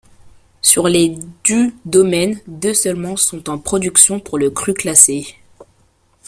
Sur les du domaine deux seulement sont en production pour le cru classé.